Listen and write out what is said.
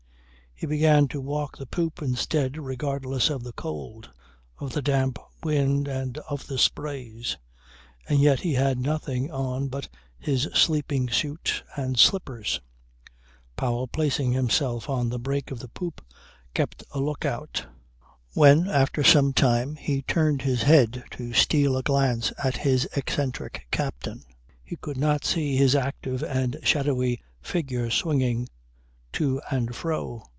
He began to walk the poop instead regardless of the cold, of the damp wind and of the sprays. And yet he had nothing on but his sleeping suit and slippers. Powell placing himself on the break of the poop kept a look out. When after some time he turned his head to steal a glance at his eccentric captain he could not see his active and shadowy figure swinging to and fro.